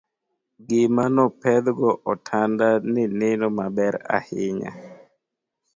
gima no pedh go otanda ne neno maber ahinya